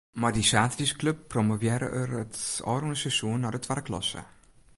Mei dy saterdeisklup promovearre er it ôfrûne seizoen nei de twadde klasse.